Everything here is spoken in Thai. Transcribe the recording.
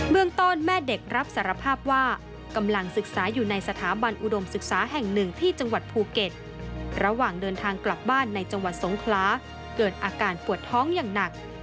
เบื้องต้นแม่เด็กรับสารภาพว่ากำลังศึกษาอยู่ในสถาบันอุดมศึกษาแห่งหนึ่งที่จังหวัดภูเก็ต